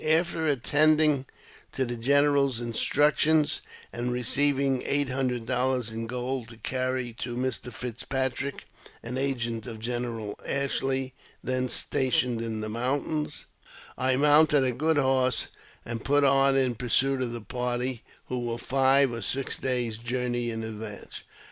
After attending to the general's instructions, and receiving eight hundred dollars in gold to carry to Mr. Fitzpatrick (an agent of General Ashley then stationed in the mountains), I mounted a good horse, and put on in pursuit of the party, who were five or six days' journey in advance.